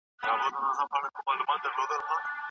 خپلي ستونزي به له نږدې دوستانو سره شریکوئ.